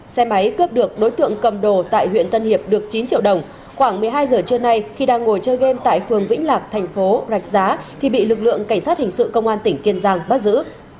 xe máy cướp được đối tượng cầm đồ tại huyện tân hiệp được chín triệu đồng khoảng một mươi hai giờ trưa nay khi đang ngồi chơi game tại phường vĩnh lạc thành phố rạch giá thì bị lực lượng cảnh sát hình sự công an tỉnh kiên giang bắt giữ